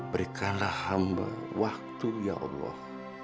berikanlah hamba waktu ya allah